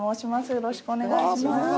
よろしくお願いします